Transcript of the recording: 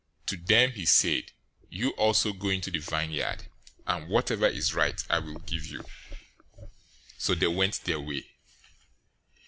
020:004 To them he said, 'You also go into the vineyard, and whatever is right I will give you.' So they went their way.